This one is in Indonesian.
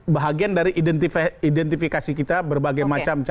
bahagian dari identifikasi kita berbagai macam